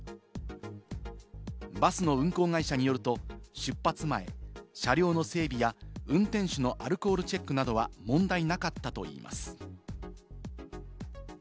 バスの運行会社によると出発前、車両の整備や運転手のアルコールチェックなどは問題なかったといいます。